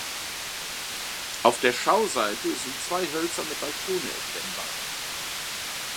Auf der Schauseite sind zwei hölzerne Balkone erkennbar.